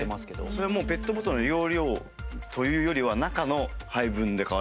それはもうペットボトルの容量というよりは中の配分で変わるみたいな感じ？